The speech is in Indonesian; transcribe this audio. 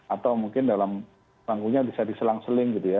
atau mungkin dalam bangkunya bisa diselang seling